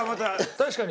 確かに。